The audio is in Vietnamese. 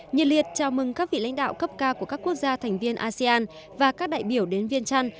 nhiệt liệt chào mừng các vị lãnh đạo cấp cao của các quốc gia thành viên asean và các đại biểu đến viên trăn